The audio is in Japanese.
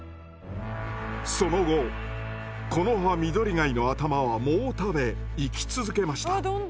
その後コノハミドリガイの頭は藻を食べ生き続けました。